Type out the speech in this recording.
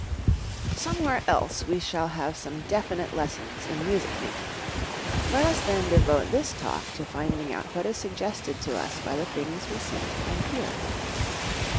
_ Somewhere else we shall have some definite lessons in music thinking. Let us then devote this Talk to finding out what is suggested to us by the things we see and hear.